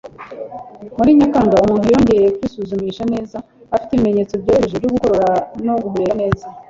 Muri Nyakanga, umuntu yongeye kwisuzumisha neza, afite ibimenyetso byoroheje byo gukorora no guhumeka neza.